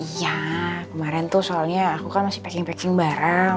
iya kemarin tuh soalnya aku kan masih packing patching bareng